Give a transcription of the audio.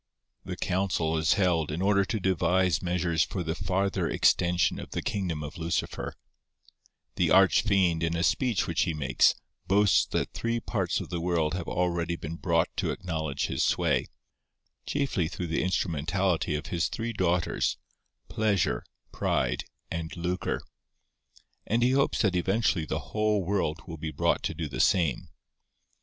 The council is held in order to devise measures for the farther extension of the kingdom of Lucifer. The Arch Fiend, in a speech which he makes, boasts that three parts of the world have already been brought to acknowledge his sway, chiefly through the instrumentality of his three daughters—Pleasure, Pride, and Lucre; and he hopes that eventually the whole world will be brought to do the same.